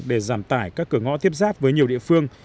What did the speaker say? để giảm tải các cửa ngõ tiếp giáp với nhiều địa phương